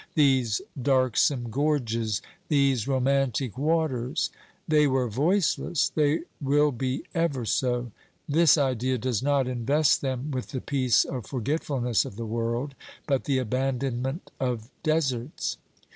These darksome gorges ! These romantic waters ! They were voiceless, they will be ever so ! This idea does not invest them with the peace of for getfulness of the world, but the abandonment of deserts.